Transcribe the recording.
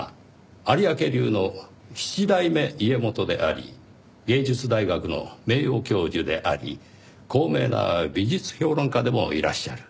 有明流の七代目家元であり芸術大学の名誉教授であり高名な美術評論家でもいらっしゃる。